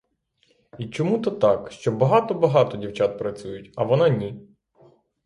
І чому то так, що багато-багато дівчат працюють, а вона ні?